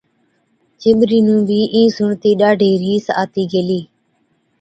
چِٻري نُون بِي اِين سُڻتِي ڏاڍِي رِيس آتِي گيلِي۔